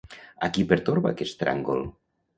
A qui pertorba aquest tràngol?